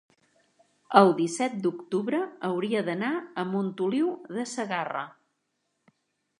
el disset d'octubre hauria d'anar a Montoliu de Segarra.